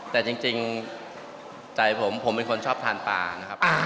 แต่จริงใจผมผมเป็นคนชอบทานปลานะครับ